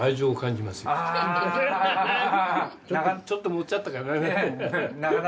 ちょっともっちゃったかな？